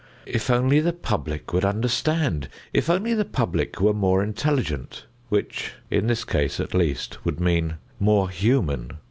If only the public would understand! If only the public were more intelligent, which in this case at least would mean more human!